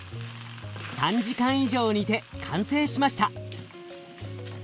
３時間以上煮て完成しました。